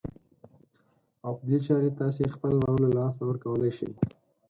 او په دې چارې تاسې خپل باور له لاسه ورکولای شئ.